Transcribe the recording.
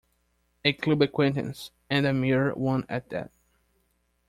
A club acquaintance, and a mere one at that.